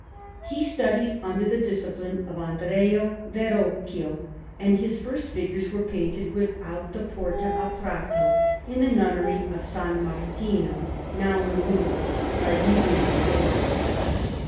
He studied under the discipline of Andrea Verrocchio, and his first figures were painted without the Porta a Prato, in the Nunnery of S. Martino, now in ruins by reason of the wars.